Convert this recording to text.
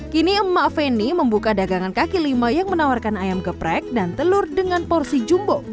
kini emak feni membuka dagangan kaki lima yang menawarkan ayam geprek dan telur dengan porsi jumbo